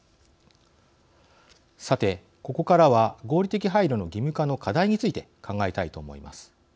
さてここからは合理的配慮の義務化の課題について考えたいと思います。